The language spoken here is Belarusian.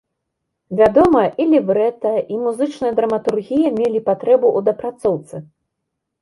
Вядома, і лібрэта, і музычная драматургія мелі патрэбу ў дапрацоўцы.